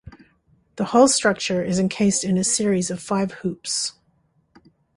The whole structure is encased in a series of five hoops.